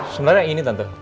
sebenarnya ini tante